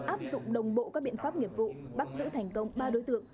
áp dụng đồng bộ các biện pháp nghiệp vụ bắt giữ thành công ba đối tượng